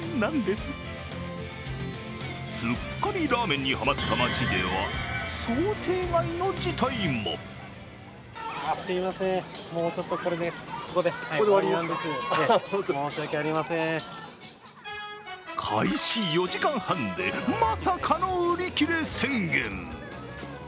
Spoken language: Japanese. すっかりラーメンにはまった町では想定外の事態も開始４時間半で、まさかの売り切れ宣言。